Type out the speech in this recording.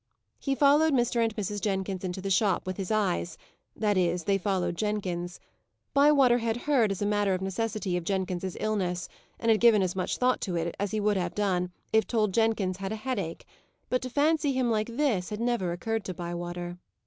He followed Mr. and Mrs. Jenkins into the shop with his eyes; that is, they followed Jenkins. Bywater had heard, as a matter of necessity, of Jenkins's illness, and had given as much thought to it as he would have done if told Jenkins had a headache; but to fancy him like this had never occurred to Bywater.